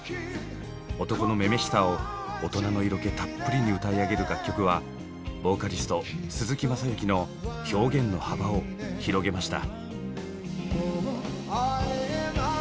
男の女々しさを大人の色気たっぷりに歌い上げる楽曲はボーカリスト鈴木雅之の表現の幅を広げました。